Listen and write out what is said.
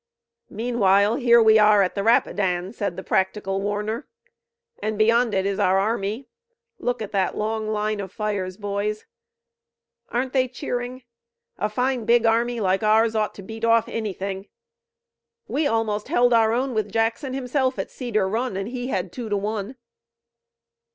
"Meanwhile, here we are at the Rapidan," said the practical Warner, "and beyond it is our army. Look at that long line of fires, boys. Aren't they cheering? A fine big army like ours ought to beat off anything. We almost held our own with Jackson himself at Cedar Run, and he had two to one."